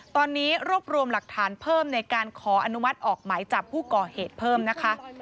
ตอนนี้รวบรวมหลักฐานเพิ่มในการขออนุมัติออกหมายจับผู้ก่อเหตุเพิ่มนะคะ